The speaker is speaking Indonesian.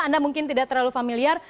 anda mungkin tidak terlalu familiar